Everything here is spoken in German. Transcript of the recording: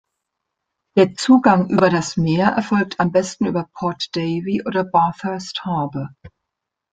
Der Zugang über das Meer erfolgt am besten über Port Davey oder Bathurst Harbour.